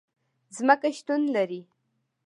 ځمکه شتون لري